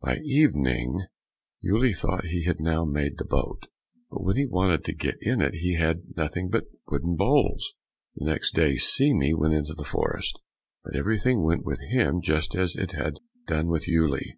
By evening Uele thought he had now made the boat, but when he wanted to get into it, he had nothing but wooden bowls. The next day Seame went into the forest, but everything went with him just as it had done with Uele.